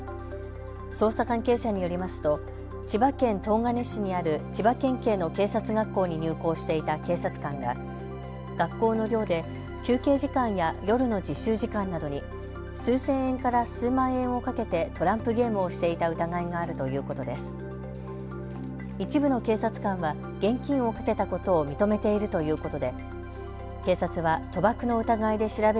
捜査関係者によりますと千葉県東金市にある千葉県警の警察学校に入校していた警察官が学校の寮で休憩時間や夜の自習時間などに数千円から数万円を賭けてトランプゲームをしていた疑いがあるということです。